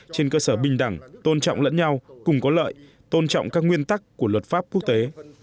trên cơ sở bình đẳng tôn trọng lẫn nhau cùng có lợi tôn trọng các nguyên tắc của luật pháp quốc tế